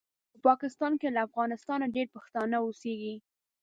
په پاکستان کې له افغانستانه ډېر پښتانه اوسیږي